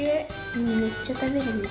めっちゃ食べるね。